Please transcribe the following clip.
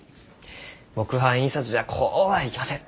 木版印刷じゃこうはいきません。